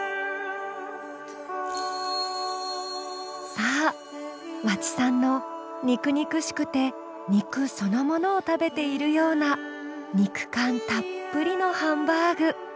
さあ和知さんの肉肉しくて肉そのものを食べているような肉感たっぷりのハンバーグ。